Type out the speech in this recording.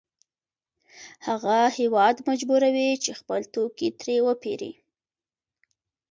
هغه هېواد مجبوروي چې خپل توکي ترې وپېري